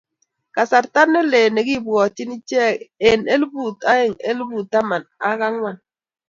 Kasarta nelel kokibwatien lecher eng elput aeng elput taman ak angwan.